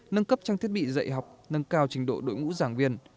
nâng cấp trang thiết bị dạy học nâng cao trình độ đội ngũ giảng viên